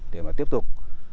để mà tiếp tục